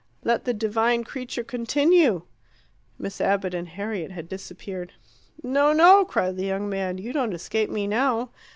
"Let the divine creature continue." Miss Abbott and Harriet had disappeared. "No! no!" cried the young man. "You don't escape me now."